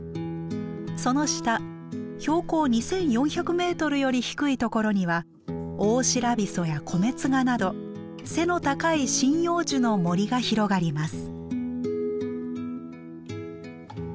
その下標高２，４００ｍより低い所にはオオシラビソやコメツガなど背の高い針葉樹の森が広がります。